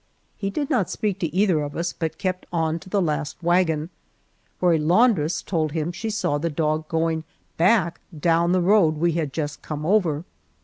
He did not speak to either of us, but kept on to the last wagon, where a laundress told him that she saw the dog going back down the road we had just come over.